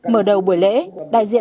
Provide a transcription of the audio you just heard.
mở đầu buổi lễ